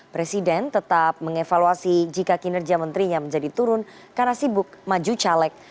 presiden tetap mengevaluasi jika kinerja menterinya menjadi turun karena sibuk maju caleg